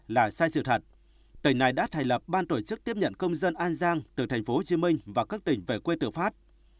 là sai sự thật tỉnh này đã thành lập ban tổ chức tiếp nhận công dân an giang từ thành phố hồ chí minh và các tỉnh về quê tự phát